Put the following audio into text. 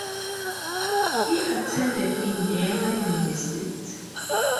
He attended Indiana University.